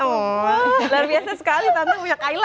luar biasa sekali tante punya kaila ya